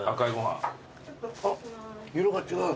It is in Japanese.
あっ色が違う。